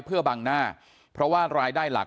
เพื่อบังหน้าเพราะว่ารายได้หลัก